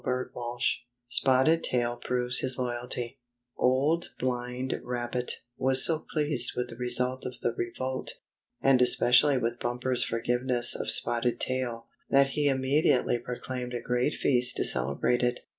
STORY XIV SPOTTED TAIL PROVES HIS LOYALTY Old Blind Rabbit was so pleased with the result of the revolt, and especially with Bumper's forgiveness of Spotted Tail, that he immediately proclaimed a great feast to celebrate it.